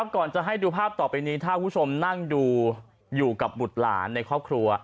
ก่อนจะให้ดูภาพต่อไปนี้ถ้าคุณผู้ชมนั่งดูอยู่กับบุตรหลานในครอบครัว